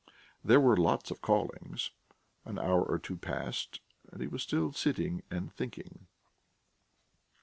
There were lots of callings. An hour or two passed, and he was still sitting and thinking....